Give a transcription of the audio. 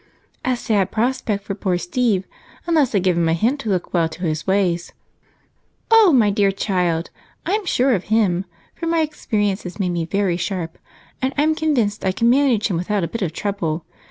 "A sad prospect for poor Steve, unless I give him a hint to look well to his ways." "Oh, my dear child, I'm sure of him, for my experience has made me very sharp and I'm convinced I can manage him without a bit of trouble.